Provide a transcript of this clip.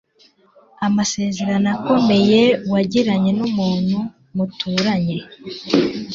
Amasezerano akomeye wagiranye n'umuntu muturanye